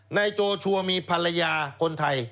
นายโจชัวร์มีภรรยาคนไทย